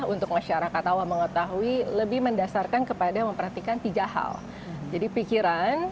untuk masyarakat awam mengetahui lebih mendasarkan kepada memperhatikan tiga hal jadi pikiran